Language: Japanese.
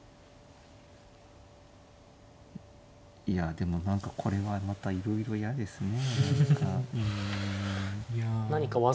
いやでも何かこれはまたいろいろ嫌ですね何か。